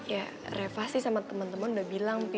ya reva sih sama temen temen udah bilang pi